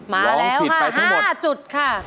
มาแล้ว๕จุดค่ะ